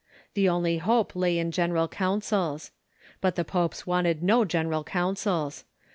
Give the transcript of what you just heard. The only hope lay in general councils. But the popes wanted no gen eral councils.